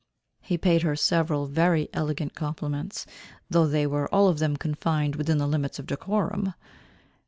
He paid her several very elegant compliments, though they were all of them confined within the limits of decorum.